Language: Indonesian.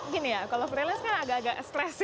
gini ya kalau freelance kan agak agak stress sih